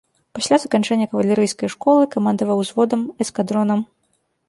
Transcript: Пасля заканчэння кавалерыйскай школы камандаваў узводам, эскадронам.